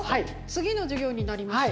次の授業になりました。